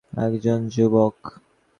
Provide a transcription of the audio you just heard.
অন্ধকারে রাস্তার পাশে বিশালদেহী একজন যুবক।